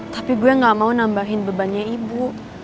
tapi gue gak mau nambahin bebannya ibu